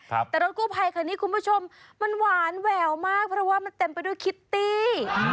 แต่รถกู้ภัยคันนี้คุณผู้ชมมันหวานแหววมากเพราะว่ามันเต็มไปด้วยคิตตี้